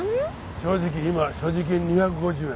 正直今所持金２５０円。